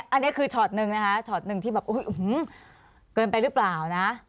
อันนี้คือช็อตหนึ่งนะคะช็อตหนึ่งที่แบบเกินไปหรือเปล่านะ